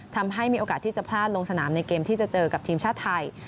มีโอกาสที่จะพลาดลงสนามในเกมที่จะเจอกับทีมชาติไทย